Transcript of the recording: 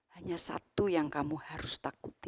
hanya satu yang kamu harus takuti